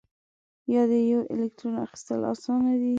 یا د یوه الکترون اخیستل آسان دي؟